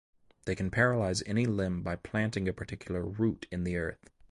They can paralyze any limb by planting a particular root in the earth.